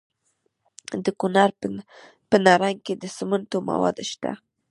د کونړ په نرنګ کې د سمنټو مواد شته.